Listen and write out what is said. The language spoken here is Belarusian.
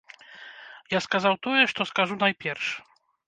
Я сказаў тое, што скажу найперш.